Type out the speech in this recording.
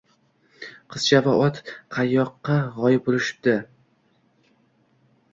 Qizcha va ot qayoqqa g`oyib bo`lishdi